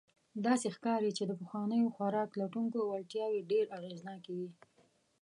داسې ښکاري، چې د پخوانیو خوراک لټونکو وړتیاوې ډېر اغېزناکې وې.